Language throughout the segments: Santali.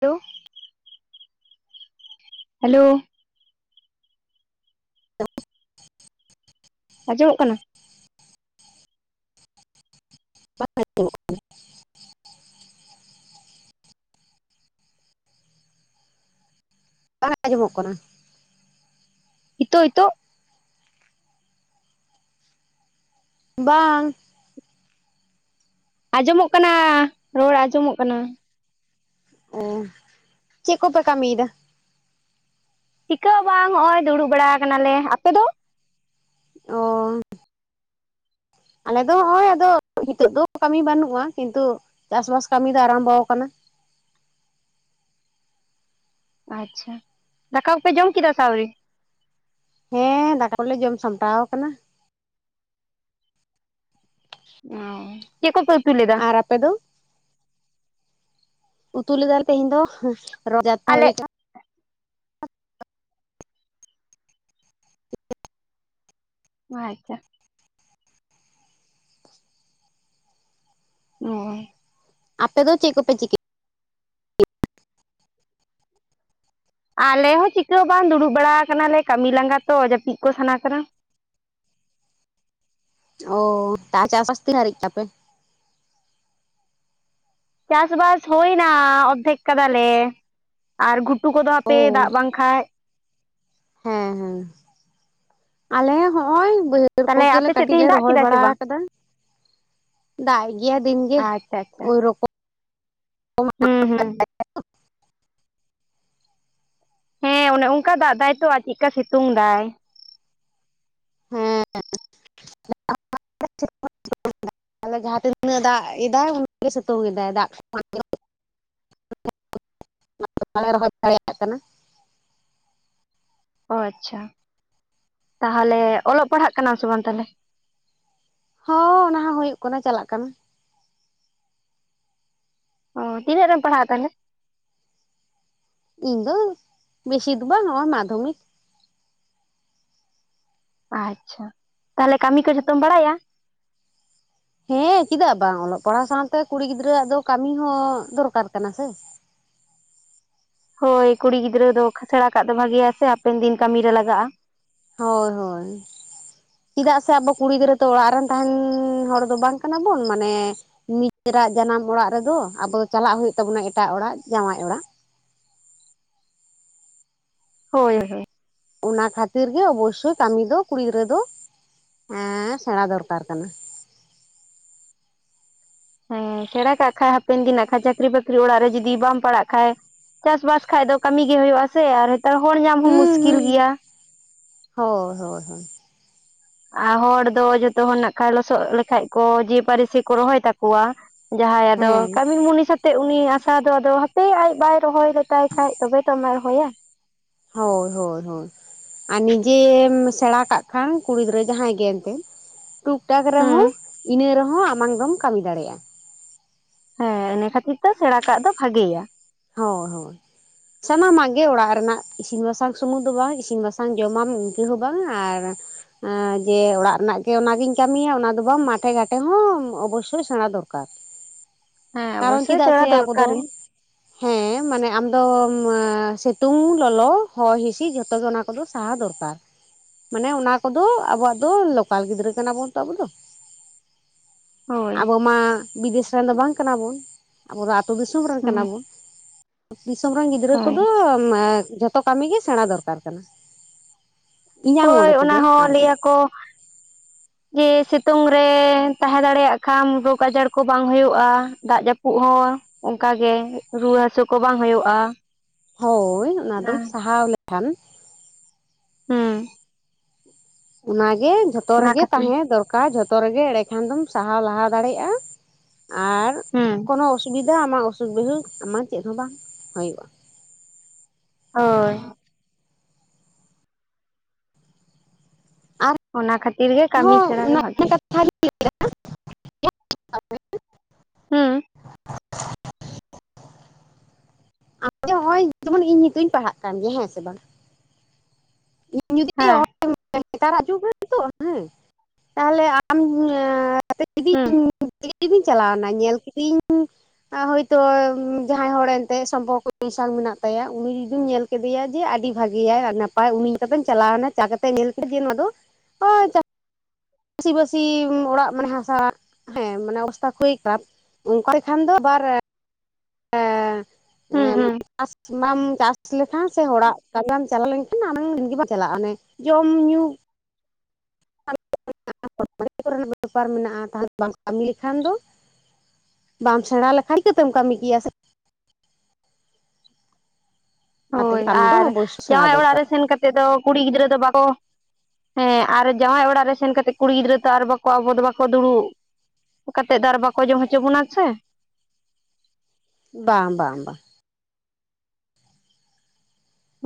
Hello [inaudible] hello. ᱟᱧᱡᱚᱢᱚᱜ ᱠᱟᱱᱟ᱾ [unintelligible] ᱵᱟᱭ ᱟᱸᱡᱚᱢᱚᱜ ᱠᱟᱱᱟ᱾ ᱦᱤᱛᱚᱜ-ᱦᱤᱛᱚᱜ᱾ ᱵᱟᱝ᱾ ᱟᱸᱡᱚᱢᱚᱜ ᱠᱟᱱᱟ, ᱨᱚᱲ ᱟᱸᱡᱚᱢᱚᱜ ᱠᱟᱱᱟ᱾ ᱦᱮᱸ ᱪᱮᱫᱽ ᱠᱚᱯᱮ ᱠᱟᱹᱢᱤᱭᱮᱫᱟ᱾ ᱪᱤᱠᱟᱹ ᱦᱚᱸ ᱵᱟᱝ ᱦᱚᱸᱜᱼᱚᱭ ᱫᱩᱲᱩᱵ ᱵᱟᱲᱟ ᱟᱠᱟᱱᱟᱞᱮ ᱟᱯᱮ ᱫᱚ᱾ ᱚᱸᱻ ᱟᱞᱮᱫᱚ ᱦᱚᱸ-ᱚᱭ ᱟᱫᱚ ᱦᱤᱛᱚᱜ ᱫᱚ ᱠᱟᱹᱢᱤ ᱵᱟᱹᱱᱩᱜᱼᱟ ᱠᱤᱱᱛᱩ ᱪᱟᱥ ᱵᱟᱥ ᱠᱟᱹᱢᱤ ᱫᱚ ᱟᱨᱟᱢᱵᱚ ᱠᱟᱱᱟ ᱾ ᱟᱪᱪᱷᱟ ᱫᱟᱠᱟ ᱠᱚᱯᱮ ᱡᱚᱢ ᱠᱮᱫᱟ ᱥᱮ ᱥᱟᱣᱨᱤ᱾ ᱦᱮᱸ ᱫᱟᱠᱟ ᱠᱚᱞᱮ ᱡᱚᱢ ᱥᱟᱢᱴᱟᱣ ᱟᱠᱟᱱᱟ᱾ ᱚ ᱪᱮᱜ ᱠᱚᱯᱮ ᱩᱛᱩᱭ ᱞᱮᱫᱟ᱾ ᱟᱨ ᱟᱯᱮ ᱫᱚ᱾ ᱩᱛᱩ ᱞᱮᱫᱟᱞᱮ ᱛᱮᱦᱮᱧ ᱫᱚ ᱨᱚ ᱡᱟᱛᱛᱟ ᱟᱞᱮ ᱦᱳᱭ ᱠᱟᱱᱟ ᱾ [unintelligible] ᱦᱚᱭ ᱛᱚ᱾ ᱚᱸᱻ ᱟᱯᱮ ᱫᱚ ᱪᱮᱜ ᱠᱚᱯᱮ ᱪᱤᱠᱟᱹᱭ᱾ ᱟᱞᱮ ᱦᱚᱸ ᱪᱤᱠᱟᱹ ᱵᱟᱝ ᱫᱩᱲᱩᱵ ᱵᱟᱲᱟ ᱠᱟᱱᱟᱞᱮ ᱠᱟᱹᱢᱤ ᱞᱟᱸᱜᱟ ᱛᱚ ᱡᱟᱹᱯᱤᱫ ᱠᱚ ᱥᱟᱱᱟ ᱠᱟᱱᱟ᱾ ᱚ ᱛᱟ ᱪᱟᱥ ᱵᱟᱥ ᱛᱤᱱᱟᱹ ᱦᱟᱹᱨᱤᱡᱽ ᱛᱟᱯᱮ᱾ ᱪᱟᱥᱵᱟᱥ ᱦᱩᱭᱱᱟ ᱚᱨᱫᱷᱮᱠ ᱠᱟᱫᱟᱞᱮ, ᱟᱨ ᱜᱷᱩᱴᱩ ᱠᱚᱫᱚ ᱦᱟ ᱚ ᱯᱮ ᱫᱟᱜ ᱵᱟᱝ ᱠᱷᱟᱡᱽ ᱾ ᱦᱮᱸ-ᱦᱮᱸ ᱟᱞᱮ ᱦᱚᱸᱜᱼᱚᱭ ᱵᱟᱹᱭ ᱦᱟᱹᱲ ᱛᱟᱦᱞᱮ ᱠᱚᱜᱮᱞᱮ ᱟᱯᱮ ᱥᱮᱫ ᱠᱟᱹᱴᱤᱡᱽ ᱛᱮᱦᱮᱧ ᱞᱮ ᱫᱟᱜ ᱨᱚᱦᱚᱭ ᱠᱮᱫᱟᱭ ᱥᱮ ᱵᱟᱲᱟ ᱵᱟᱝ ᱠᱟᱫᱟ ᱾ ᱫᱟᱜ ᱜᱤᱭᱟᱭ ᱫᱤᱱᱜᱮ ᱟᱪᱪᱷᱟ ᱳᱭᱨᱚ ᱦᱮᱸ-ᱦᱮᱸ᱾ ᱦᱮᱸ ᱚᱱᱮ ᱚᱝᱠᱟ ᱫᱟᱜ ᱫᱟᱭᱛᱚ ᱟᱨ ᱪᱤᱠᱟ ᱥᱤᱛᱩᱝ ᱫᱟᱭ ᱾ ᱦᱮᱸ᱾ ᱛᱟᱦᱞᱮ ᱡᱟᱦᱟ ᱛᱤᱱᱟᱹᱜ ᱫᱟᱜ ᱮᱫᱟ ᱩᱱᱤᱹᱜ ᱜᱮ ᱥᱤᱛᱟᱹᱝ ᱮᱫᱟᱭ ᱫᱟᱜ [unintelligible] [unintelligible] ᱵᱟᱞᱮ ᱨᱚᱦᱚᱭ ᱫᱟᱲᱮᱭᱟᱜ ᱠᱟᱱᱟ᱾ ᱚ ᱟᱪᱪᱷᱟ ᱛᱟᱦᱞᱮ ᱚᱞᱚᱜ ᱯᱟᱲᱦᱟᱜ ᱠᱟᱱᱟᱢ ᱥᱮ ᱵᱟᱝ ᱛᱟᱞᱦᱮ? ᱦᱚᱸ ᱚᱱᱟ ᱦᱚᱸ ᱦᱳᱭᱳᱜ ᱠᱟᱱᱟ ᱪᱟᱞᱟᱜ ᱠᱟᱱᱟ ᱾ ᱚ ᱛᱤᱱᱟᱹᱜ ᱨᱮᱢ ᱯᱟᱲᱦᱟᱜ ᱛᱟᱞᱦᱮ? ᱤᱧ ᱫᱚ ᱵᱮᱥᱤ ᱫᱚ ᱵᱟᱝ ᱱᱚᱸᱜ-ᱚ ᱢᱟᱫᱽᱫᱷᱚᱢᱤᱠ ᱾ ᱟᱪᱪᱷᱟ ᱛᱟᱦᱞᱮ ᱠᱟᱹᱢᱤ ᱠᱚ ᱡᱚᱛᱚᱢ ᱵᱟᱲᱟᱭᱟ? ᱦᱮᱸ ᱪᱤᱫᱟᱜ ᱵᱟᱝ ᱚᱞᱚᱜ ᱯᱟᱲᱦᱟᱣ ᱥᱟᱣᱛᱮ ᱠᱩᱲᱤ ᱜᱤᱫᱽᱨᱟᱹᱣᱟᱜ ᱫᱚ ᱠᱟᱹᱢᱤ ᱦᱚᱸ ᱫᱚᱨᱠᱟᱨ ᱠᱟᱱᱟ ᱥᱮ ᱾ ᱦᱳᱭ ᱠᱩᱲᱤ ᱜᱤᱫᱽᱨᱟᱹ ᱫᱚ ᱥᱮᱲᱟ ᱠᱟᱜ ᱫᱚ ᱵᱷᱟᱜᱮᱭᱟ ᱥᱮ ᱦᱟᱯᱮᱱ ᱫᱤᱱ ᱠᱟᱹᱢᱤ ᱨᱮ ᱞᱟᱜᱟᱜ-ᱟ ᱾ ᱦᱳᱭ, ᱦᱳᱭ᱾ ᱪᱤᱫᱟᱜ ᱥᱮ ᱟᱵᱚ ᱠᱩᱲᱤ ᱜᱤᱫᱽᱨᱟᱹ ᱛᱚ ᱚᱲᱟᱜ ᱨᱮᱱ ᱛᱟᱦᱮᱱᱻ ᱦᱚᱲ ᱫᱚ ᱵᱟᱝ ᱠᱟᱱᱟ ᱵᱚᱱ ᱢᱟᱱᱮ ᱱᱤᱡᱮᱨᱟᱜ ᱡᱟᱱᱟᱢ ᱚᱲᱟᱜ ᱨᱮᱫᱚ᱾ ᱟᱵᱚ ᱪᱟᱞᱟᱜ ᱦᱳᱭᱳᱜ ᱛᱟᱵᱚᱱᱟ ᱮᱴᱟᱜ ᱚᱲᱟᱜ ᱡᱟᱶᱟᱭ ᱚᱲᱟᱜ ᱾ ᱦᱳᱭ, ᱦᱳᱭ, ᱦᱳᱭ ᱾ ᱚᱱᱟ ᱠᱷᱟᱹᱛᱤᱨ ᱜᱮ ᱚᱵᱚᱥᱳᱭ ᱠᱟᱹᱢᱤ ᱫᱚ ᱠᱩᱲᱤ ᱜᱤᱫᱽᱨᱟᱹ ᱫᱚ ᱮᱸᱻ ᱥᱮᱲᱟ ᱫᱚᱨᱠᱟᱨ ᱠᱟᱱᱟ ᱾ ᱦᱮᱸ ᱥᱮᱲᱟ ᱠᱟᱜ ᱠᱷᱟᱡ ᱦᱟᱯᱮᱱ ᱫᱤᱱ ᱱᱟᱸᱜ ᱠᱷᱟᱡ ᱪᱟᱹᱠᱨᱤ ᱵᱟᱹᱠᱨᱤ ᱚᱲᱟᱜ ᱨᱮ ᱡᱩᱫᱤ ᱵᱟᱢ ᱯᱟᱲᱟᱜ ᱠᱷᱟᱡ᱾ ᱪᱟᱥ ᱵᱟᱥ ᱠᱷᱟᱡ ᱫᱚ ᱠᱟᱹᱢᱤ ᱜᱮ ᱦᱳᱭᱳᱜ-ᱟ ᱥᱮ ᱟᱨ ᱦᱮᱛᱟᱨ ᱦᱚᱲ ᱧᱟᱢ ᱦᱚᱸ ᱦᱩᱸ ᱢᱩᱥᱠᱤᱞ ᱦᱩᱸ ᱜᱮᱭᱟ ᱾ ᱦᱳᱭ, ᱦᱳᱭ, ᱦᱳᱭ ᱾ ᱟᱨ ᱦᱚᱲ ᱫᱚ ᱡᱚᱛᱚ ᱦᱚᱲ ᱱᱟᱜ ᱠᱷᱟᱡ ᱞᱚᱥᱚᱫ ᱞᱮᱠᱷᱟᱡ ᱠᱚ ᱡᱮ ᱯᱟᱹᱨᱤᱥᱤ ᱠᱚ ᱨᱚᱦᱚᱭ ᱛᱟᱠᱚᱣᱟ ᱾ ᱡᱟᱦᱟᱭ ᱟᱫᱚ ᱦᱮᱸ ᱠᱟᱹᱢᱤ ᱢᱩᱱᱤᱥ ᱥᱟ ᱛᱮᱫ ᱩᱱᱤ ᱟᱥᱟ ᱫᱚ ᱟᱫᱚ ᱦᱟᱯᱮ ᱟᱡ ᱵᱟᱭ ᱨᱚᱦᱚᱭ ᱞᱮᱛᱟᱭ ᱠᱷᱟᱡ ᱛᱚᱵᱮ ᱛᱚ ᱟᱢᱟᱜᱮ ᱨᱚᱦᱚᱭᱟ ᱾ ᱦᱳᱭ, ᱦᱳᱭ, ᱦᱳᱭ᱾ ᱟᱨ ᱱᱤᱡᱮᱢ ᱥᱮᱲᱟ ᱠᱟᱜ ᱠᱷᱟᱱ ᱠᱩᱲᱤ ᱜᱤᱫᱽᱨᱟᱹ ᱡᱟᱦᱟᱭ ᱜᱮ ᱮᱱᱛᱮ᱾ ᱴᱩᱠ ᱴᱟᱠ ᱨᱮᱦᱚᱸ ᱦᱩᱸ ᱤᱱᱟᱹ ᱨᱮᱦᱚᱸ ᱟᱢᱟᱝ ᱫᱚᱢ ᱠᱟᱹᱢᱤ ᱫᱟᱲᱮᱜ-ᱟ ᱾ ᱦᱮᱸ ᱤᱱᱟᱹ ᱠᱷᱟᱹᱛᱤᱨ ᱛᱮ ᱥᱮᱲᱟ ᱠᱟᱜ ᱫᱚ ᱵᱷᱟᱜᱮᱭᱟ ᱾ ᱦᱳᱭ, ᱦᱳᱭ ᱾ ᱥᱟᱱᱟᱢᱟᱜ ᱜᱮ ᱚᱲᱟᱜ ᱨᱮᱱᱟᱜ ᱤᱥᱤᱱ ᱵᱟᱥᱟᱝ ᱥᱩᱢᱩᱝ ᱫᱚ ᱵᱟᱝ᱾ ᱤᱥᱤᱱ ᱵᱟᱥᱟᱝ ᱡᱚᱢᱟᱢ ᱤᱱᱠᱟᱹ ᱦᱚᱸ ᱵᱟᱝ᱾ᱟᱨ ᱮᱸᱻ ᱡᱮ ᱚᱲᱟᱜ ᱨᱮᱱᱟᱜ ᱜᱮ ᱚᱱᱟ ᱜᱤᱧ ᱠᱟᱹᱢᱤᱭᱟ ᱚᱱᱟ ᱫᱚ ᱵᱟᱝ ᱢᱟᱴᱷᱮ ᱜᱷᱟᱴᱮ ᱦᱚᱸ ᱚᱵᱚᱥᱳᱭ ᱥᱮᱲᱟ ᱫᱚᱨᱠᱟᱨ ᱾ ᱦᱮᱸ ᱚᱵᱚᱥᱳᱭ ᱥᱮᱲᱟ ᱟᱵᱚ ᱫᱚᱨᱠᱟᱨ ᱫᱚ ᱜᱮ᱾ ᱦᱮᱸ ᱢᱟᱱᱮ ᱟᱢ ᱫᱚᱢᱻ ᱥᱤᱛᱩᱝ, ᱞᱚᱞᱚ, ᱦᱚᱭ, ᱦᱤᱸᱥᱤᱫ ᱡᱷᱚᱛᱚ ᱜᱮ ᱚᱱᱟ ᱠᱚᱫᱚ ᱥᱟᱦᱟᱣ ᱫᱚᱨᱠᱟᱨ ᱾ ᱢᱟᱱᱮ ᱚᱱᱟ ᱠᱚᱫᱚ ᱟᱵᱚᱣᱟᱜ ᱫᱚ ᱞᱳᱠᱟᱞ ᱜᱤᱫᱽᱨᱟᱹ ᱠᱟᱱᱟ ᱵᱚᱱ ᱛᱚ, ᱟᱵᱚ ᱫᱚ᱾ ᱦᱳᱭ ᱟᱵᱚ ᱢᱟ ᱵᱤᱫᱮᱥ ᱨᱮᱱ ᱫᱚ ᱵᱟᱝ ᱠᱟᱱᱟ ᱵᱚᱱ᱾ ᱟᱵᱚ ᱫᱚ ᱟᱹᱛᱩ ᱫᱤᱥᱚᱢ ᱨᱮ ᱠᱟᱱᱟ ᱦᱩᱸ ᱵᱚᱱ᱾ ᱫᱤᱥᱚᱢ ᱨᱮᱱ ᱜᱤᱫᱽᱨᱟᱹ ᱦᱳᱭ ᱠᱚᱫᱚ ᱡᱷᱚᱛᱚ ᱠᱟᱹᱢᱤ ᱜᱮ ᱥᱮᱲᱟ ᱫᱚᱨᱠᱟᱨ ᱠᱟᱱᱟ᱾ ᱤᱧᱟᱹᱜ ᱦᱳᱭ ᱢᱚᱱᱮ ᱚᱱᱟ ᱛᱮᱫᱚ ᱦᱚᱸ ᱞᱟᱹᱭ ᱟᱨᱠᱤ ᱟᱠᱚ ᱡᱮ ᱥᱤᱛᱩᱝ ᱨᱮ ᱛᱟᱦᱮᱸ ᱫᱟᱲᱮᱭᱟᱜ ᱠᱷᱟᱱ ᱨᱳᱜᱽ ᱟᱡᱟᱨ ᱠᱚ ᱵᱟᱝ ᱦᱳᱭᱳᱜ-ᱟ, ᱫᱟᱜ ᱡᱟᱹᱯᱩᱫ ᱦᱚᱸ ᱚᱱᱠᱟ ᱜᱮ ᱨᱩᱣᱟᱹ ᱦᱟᱹᱥᱩ ᱠᱚ ᱵᱟᱝ ᱦᱳᱭᱳᱜ-ᱟ᱾ ᱦᱳᱭ ᱚᱱᱟ ᱫᱚᱢ ᱥᱟᱦᱟᱣ ᱞᱮᱠᱷᱟᱱ᱾ ᱦᱩᱸ᱾ ᱚᱱᱟ ᱜᱮ ᱡᱷᱚᱛᱚ ᱚᱱᱟ ᱨᱮᱜᱮ ᱠᱷᱟᱹᱛᱤᱨ ᱛᱟᱦᱮᱸ ᱫᱚᱨᱠᱟᱨ ᱡᱷᱚᱛᱚ ᱨᱮᱜᱮ ᱮᱸᱰᱮ ᱠᱷᱟᱱ ᱫᱚᱢ ᱥᱟᱦᱟᱣ ᱞᱟᱦᱟ ᱫᱟᱲᱮᱜ-ᱟ᱾ ᱟᱨ ᱦᱩᱸ ᱠᱳᱱᱳ ᱚᱥᱩᱵᱤᱫᱷᱟ ᱟᱢᱟᱜ ᱚᱥᱩᱠ ᱵᱤᱦᱩ ᱟᱢᱟᱜ ᱪᱮᱫ ᱦᱚᱸ ᱵᱟᱝ ᱦᱳᱭᱳᱜ-ᱟ᱾ ᱦᱳᱭ᱾ ᱚᱱᱟ ᱠᱷᱟᱹᱛᱤᱨ ᱜᱮ ᱠᱟᱹᱢᱤ ᱟᱨᱦᱚᱸ ᱥᱮᱲᱟ ᱜᱮ ᱵᱷᱟᱹᱜᱮ᱾ [unintelligible] ᱦᱩᱸ᱾ ᱱᱚᱸᱜ-ᱚᱭ ᱡᱮᱢᱚᱱ ᱤᱧ ᱱᱤᱛᱳᱜ ᱤᱧ ᱯᱟᱲᱦᱟᱜ ᱠᱟᱱ ᱜᱮᱭᱟ ᱦᱮᱸ ᱥᱮ ᱵᱟᱝ? ᱦᱮᱸ [unintelligible] [inaudible] ᱦᱮᱛᱟᱨᱟᱜ ᱡᱩᱜᱽ ᱨᱮ ᱛᱚ ᱦᱮᱸ, ᱛᱟᱦᱚᱞᱮ ᱟᱢ [inaudible] ᱦᱩᱸ᱾ [inaudible] ᱪᱟᱞᱟᱣᱱᱟ ᱧᱮᱞ ᱠᱤᱫᱤᱧ [inaudible] ᱮᱸ ᱦᱳᱭᱛᱚ ᱩᱸ ᱡᱟᱦᱟᱸᱭ ᱦᱚᱲ ᱮᱱᱛᱮᱫ ᱥᱚᱢᱯᱚᱨ ᱠᱚ [inaudible] ᱥᱟᱝ ᱢᱮᱥᱟᱞ ᱢᱮᱱᱟᱜ ᱛᱟᱭᱟ, ᱩᱱᱤ ᱡᱩᱫᱤᱢ ᱧᱮᱞ ᱠᱮᱫᱮᱭᱟ ᱡᱮ ᱟᱹᱰᱤ ᱵᱷᱟᱜᱮᱭᱟᱭ ᱟᱨ ᱱᱟᱯᱟᱭ ᱩᱱᱤ ᱞᱮᱠᱟᱛᱮᱢ ᱪᱟᱞᱟᱣᱱᱟ, ᱪᱟ ᱠᱟᱛᱮᱜ ᱧᱮᱞ [inaudible] ᱪᱟᱹᱥᱤ ᱵᱟᱹᱥᱤ ᱚᱲᱟᱜ ᱢᱟᱱᱮ ᱦᱟᱥᱟ, ᱦᱮᱸ ᱢᱟᱱᱮ ᱚᱵᱚᱥᱛᱷᱟ [inaudible] ᱠᱷᱟᱨᱟᱯ ᱚᱱᱠᱟ [inaudible] ᱫᱚ ᱟᱵᱟᱨ ᱦᱩᱸ ᱮᱸ ᱦᱩᱸ ᱪᱟᱥ ᱵᱟᱢ ᱪᱟᱥ ᱞᱮᱠᱷᱟᱱ ᱥᱮ ᱦᱚᱲᱟᱜ ᱠᱟᱹᱢᱤ ᱵᱟᱢ ᱪᱟᱞᱟᱣ ᱞᱮᱱᱠᱷᱟᱱ ᱟᱢᱟᱜ ᱫᱤᱱ ᱜᱮ ᱵᱟᱝ ᱪᱟᱞᱟᱜᱼᱟ᱾ ᱚᱱᱮ ᱡᱚᱢ ᱧᱩ [unintelligible] ᱵᱮᱯᱟᱨ ᱢᱮᱱᱟᱜᱼᱟ, [inaudible] ᱠᱟᱹᱢᱤ ᱞᱮᱠᱷᱟᱱ ᱫᱚ᱾ ᱵᱟᱢ ᱥᱮᱬᱟ ᱞᱮᱠᱷᱟᱱ ᱪᱤᱠᱟᱹᱛᱮᱢ ᱠᱟᱹᱢᱤ ᱠᱮᱭᱟ ᱥᱮ? ᱚᱱᱟ ᱛᱮᱜᱮ ᱦᱳᱭ ᱠᱟᱹᱢᱤ ᱫᱚ ᱟᱨ ᱚᱵᱚᱥᱥᱳᱭ ᱥᱮᱬᱟ ᱡᱟᱶᱟᱭ ᱫᱚᱨᱠᱟᱨ ᱚᱲᱟᱜ ᱨᱮ ᱥᱮᱱ ᱠᱟᱛᱮᱫ ᱫᱚ ᱠᱩᱲᱤ ᱜᱤᱫᱽᱨᱟᱹ ᱫᱚ ᱵᱟᱠᱚ ᱦᱮᱸ ᱟᱨ ᱡᱟᱶᱟᱭ ᱚᱲᱟᱜ ᱨᱮ ᱥᱮᱱ ᱠᱟᱛᱮᱜ ᱠᱩᱲᱤ ᱜᱤᱫᱽᱨᱟᱹ ᱛᱚ ᱟᱨ ᱵᱟᱠᱚ ᱟᱵᱚ ᱫᱚ ᱵᱟᱠᱚ ᱫᱩᱲᱩᱵ ᱠᱟᱛᱮᱫ ᱫᱚ ᱟᱨ ᱵᱟᱠᱚ ᱡᱚᱢ ᱦᱚᱪᱚ ᱵᱚᱱᱟ ᱥᱮ? ᱵᱟᱝ ᱵᱟᱝ ᱵᱟ᱾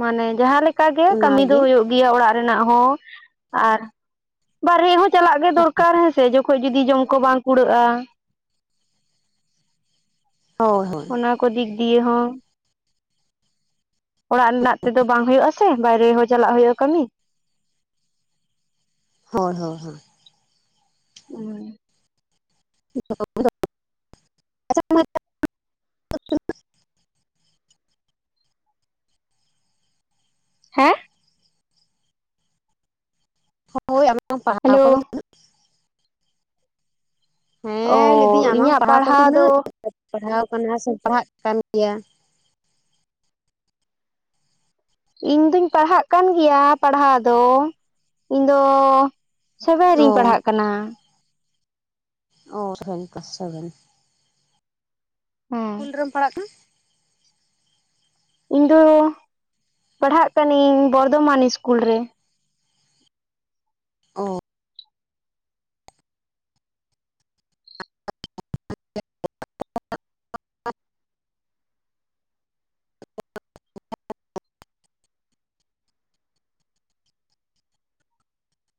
ᱢᱟᱱᱮ ᱡᱟᱦᱟᱸ ᱞᱮᱠᱟ ᱜᱮ ᱠᱟᱹᱢᱤ ᱫᱚ ᱚᱱᱟᱜᱮ ᱦᱩᱭᱩᱜ ᱜᱮᱭᱟ ᱚᱲᱟᱜ ᱨᱮᱱᱟᱜ ᱦᱚᱸ, ᱟᱨ ᱵᱟᱨᱦᱮ ᱦᱚᱸ ᱪᱟᱞᱟᱜ ᱜᱮ ᱫᱚᱨᱠᱟᱨ ᱦᱮᱸ ᱥᱮ ᱡᱚᱠᱷᱚᱡ ᱡᱩᱫᱤ ᱡᱚᱢ ᱠᱚ ᱵᱟᱝ ᱠᱩᱲᱟᱹᱜᱼᱟ᱾ ᱦᱳᱭ ᱦᱳᱭ᱾ ᱚᱱᱟ ᱠᱚ ᱫᱤᱠ ᱫᱤᱭᱟᱹ ᱦᱚᱸ᱾ ᱚᱲᱟᱜ ᱨᱮᱱᱟᱜ ᱛᱮᱫᱚ ᱵᱟᱝ ᱦᱳᱭᱳᱜᱼᱟ ᱥᱮ ᱵᱟᱭᱨᱮ ᱦᱚᱸ ᱪᱟᱞᱟᱜ ᱦᱳᱭᱳᱜᱼᱟ, ᱠᱟᱹᱢᱤ᱾ ᱦᱳᱭ ᱦᱳᱭ ᱦᱳᱭ᱾ ᱩᱸ᱾ [inaudible] [inaudible] ᱦᱮᱸ? ᱦᱳᱭ [inaudible] ᱯᱟᱲᱦᱟᱣ ᱦᱮᱞᱳ ᱠᱚᱫᱚ᱾ ᱚ ᱦᱮᱸ ᱞᱮᱭ ᱫᱤᱧ ᱟᱢᱟᱝ ᱤᱧᱟᱹᱜ ᱯᱟᱲᱦᱟᱣ ᱠᱚ ᱫᱚ ᱛᱤᱱᱟᱹᱜ [inaudible] ᱯᱟᱲᱦᱟᱣ ᱠᱟᱱᱟ ᱥᱮ ᱯᱟᱲᱦᱟᱜ ᱠᱟᱱ ᱜᱮᱭᱟ? ᱤᱧᱫᱩᱧ ᱯᱟᱲᱦᱟᱜ ᱠᱟᱱ ᱜᱮᱭᱟ ᱯᱟᱲᱦᱟᱣ ᱫᱚ, ᱤᱧᱫᱚ ᱥᱮᱵᱷᱮᱱ ᱨᱤᱧ ᱚ ᱯᱟᱲᱦᱟᱜ ᱠᱟᱱᱟ᱾ ᱚ [inaudible] ᱛᱚ ᱥᱮᱵᱷᱮᱱ ᱦᱮᱸ ᱠᱩᱞ ᱨᱮᱢ ᱯᱟᱲᱦᱟᱜ ᱠᱟᱱᱟ? ᱤᱧ ᱫᱚ ᱯᱟᱲᱦᱟᱜ ᱠᱟᱹᱱᱤᱝ ᱵᱚᱨᱫᱷᱚᱢᱟᱱ ᱤᱥᱠᱩᱞ ᱨᱮ᱾ ᱚ᱾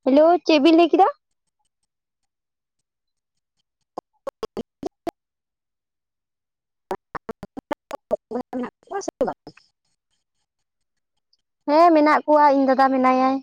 ᱦᱮᱞᱳ ᱪᱮᱫ ᱵᱤᱱ ᱞᱮᱭ ᱠᱮᱫᱟ? [inaudible] ᱦᱮᱸ ᱢᱮᱱᱟᱜ ᱠᱚᱣᱟ ᱤᱧ ᱫᱟᱫᱟ ᱢᱮᱱᱟᱭᱟᱭ᱾